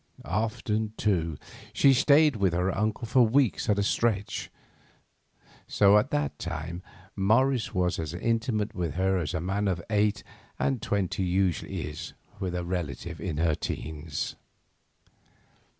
Often, too, she stayed with her uncle for weeks at a stretch, so at that time Morris was as intimate with her as a man of eight and twenty usually is with a relative in her teens.